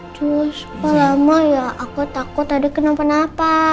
tuh sepelah lama ya aku takut adek kenapa napa